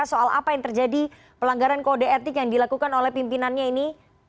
soal apa yang terjadi pelanggaran kode etik yang dilakukan oleh pimpinannya ini